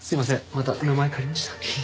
また名前借りました。